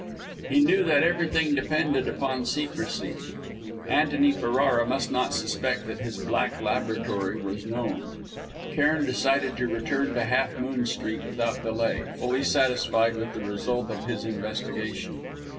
He knew that everything depended upon secrecy. Antony Ferrara must not suspect that his black laboratory was known. Cairn decided to return to Half Moon Street without delay, fully satisfied with the result of his investigation.